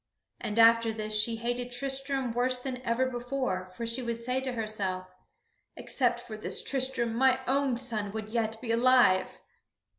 And after this she hated Tristram worse than ever before, for she would say to herself: "Except for this Tristram, my own son would yet be alive!"